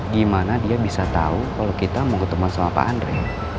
gimana dia bisa tahu kalau kita mau ketemu sama pak andre